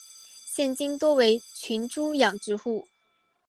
现今多为群猪养殖户。